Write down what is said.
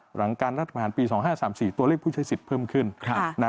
หลังการรัฐประหารปี๒๕๓๔ตัวเลขผู้ใช้สิทธิ์เพิ่มขึ้น